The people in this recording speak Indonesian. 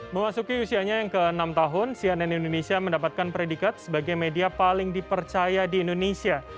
memasuki usianya yang ke enam tahun cnn indonesia mendapatkan predikat sebagai media paling dipercaya di indonesia